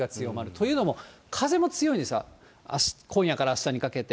というのも風も強いんです、今夜からあしたにかけて。